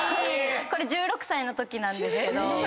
これ１６歳のときなんですけど。